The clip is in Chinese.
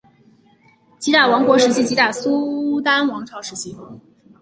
吉打王国时期吉打苏丹王朝时期